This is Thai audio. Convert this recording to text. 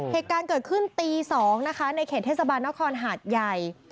เหตุการณ์เกิดขึ้นตี๒นะคะในเขตเทศบาลนครหาดใหญ่